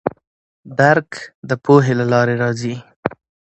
درک د پوهې له لارې راځي.